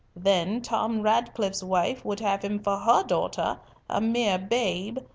Then Tom Ratcliffe's wife would have him for her daughter, a mere babe.